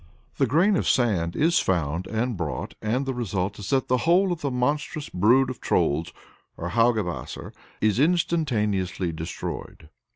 The grain of sand is found and brought, and the result is that the whole of the monstrous brood of Trolls or Haugebasser is instantaneously destroyed.